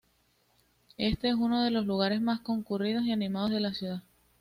Este es uno de los lugares más concurridos y animados de la ciudad.